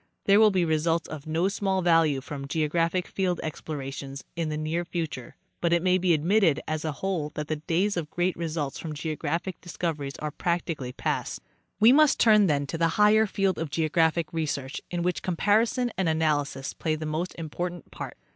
There will be results of no small value from geographic field explorations in the near*future, but it may be admitted, as a whole, that the days of great results from geo graphic discoveries are practically past. We must turn, then, to the higher field of geographic research, in which comparison and analysis play the most important part.